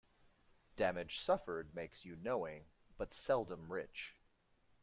Damage suffered makes you knowing, but seldom rich.